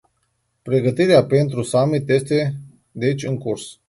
Pregătirea pentru summit este deci în curs.